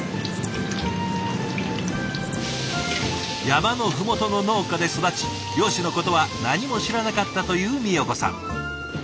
山の麓の農家で育ち漁師のことは何も知らなかったというみよ子さん。